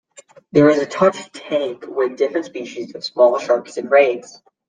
There is a touch tank with different species of small sharks and rays.